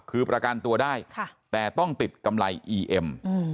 คือประกันตัวได้แต่ต้องติดกำไรอีเอ็ม